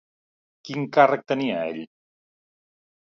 Quin càrrec tenia ell?